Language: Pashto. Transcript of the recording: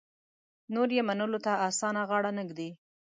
نور یې منلو ته اسانه غاړه نه ږدي.